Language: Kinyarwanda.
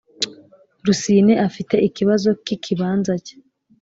Rusine Afite ikibazo cy ikibanza cye